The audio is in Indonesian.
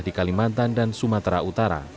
di kalimantan dan sumatera utara